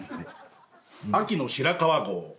秋の白川郷。